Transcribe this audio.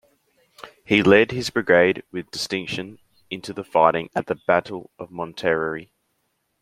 He led his brigade with distinction into the fighting at the battle of Monterrey.